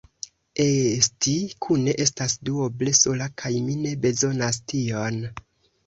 Esti kune estas duoble sola kaj mi ne bezonas tion.